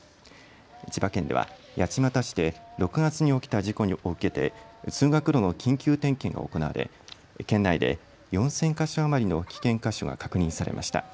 千葉県では八街市で６月に起きた事故を受けて通学路の緊急点検が行われ県内で４０００か所余りの危険箇所が確認されました。